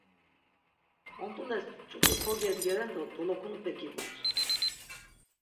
Ont̆ules ç̆uk̆i kogedgeren do dolokunepe gibups.